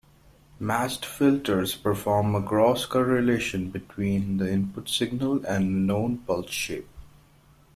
Matched filters perform a cross-correlation between the input signal and a known pulse-shape.